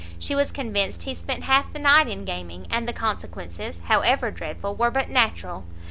She was convinced he spent half the night in gaming, and the consequences, however dreadful, were but natural.